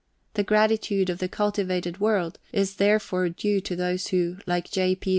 The gratitude of the cultivated world is therefore due to those who, like J. P.